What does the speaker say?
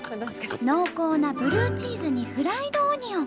濃厚なブルーチーズにフライドオニオン。